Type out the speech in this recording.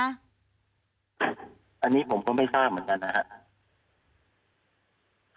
อันนี้ผมก็ไม่ทราบเหมือนกันนะครับ